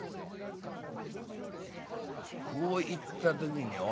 「こう言った時に俺はね